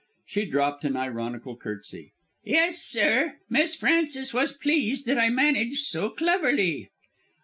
She dropped an ironical curtsey. "Yes, sir. Miss Frances was pleased that I managed so cleverly."